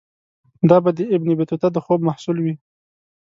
دا به د ابن بطوطه د خوب محصول وي.